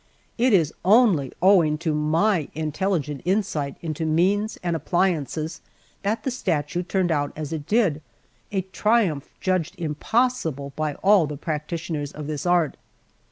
It is only owing to my intelligent insight into means and appliances that the statue turned out as it did; a triumph judged impossible by all the practitioners of this art.